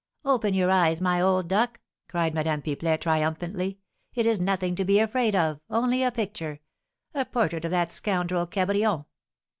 "Open your eyes, my old duck!" cried Madame Pipelet, triumphantly. "It is nothing to be afraid of, only a picture, a portrait of that scoundrel Cabrion.